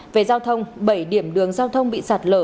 về giao thông bảy điểm đường giao thông bị sạt lở